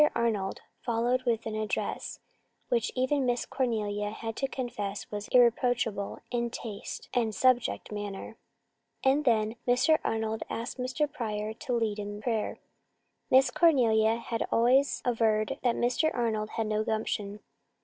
Arnold followed with an address which even Miss Cornelia had to confess was irreproachable in taste and subject matter. And then Mr. Arnold asked Mr. Pryor to lead in prayer. Miss Cornelia had always averred that Mr. Arnold had no gumption.